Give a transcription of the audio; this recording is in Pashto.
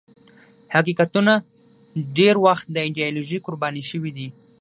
حقیقتونه ډېر وخت د ایدیالوژۍ قرباني شوي دي.